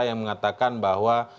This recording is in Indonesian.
yang mengatakan bahwa